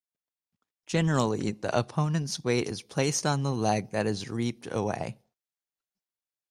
Generally the opponent's weight is placed on the leg that is reaped away.